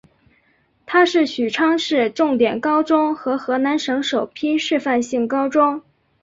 它是许昌市重点高中和河南省首批示范性高中。